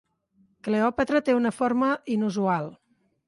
Kleopatra té una forma inusual.